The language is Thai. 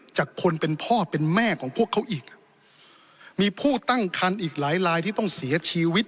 จากคนเป็นพ่อเป็นแม่ของพวกเขาอีกมีผู้ตั้งคันอีกหลายลายที่ต้องเสียชีวิต